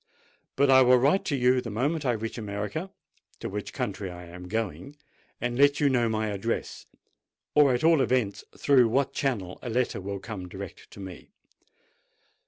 But I will write to you the moment I reach America—to which country I am going—and let you know my address, or at all events through what channel a letter will come direct to me.